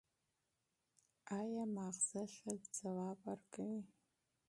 ایا مغز ښه ځواب ورکوي؟